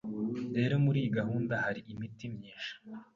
Rero muri iyi gahunda hari imiti myinshi